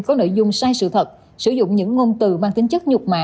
có nội dung sai sự thật sử dụng những ngôn từ mang tính chất nhục mã